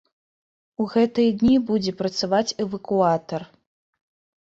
У гэтыя дні будзе працаваць эвакуатар.